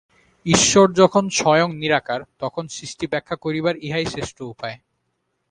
ঈশ্বর যখন স্বয়ং নিরাকার, তখন সৃষ্টি ব্যাখ্যা করিবার ইহাই শ্রেষ্ঠ উপায়।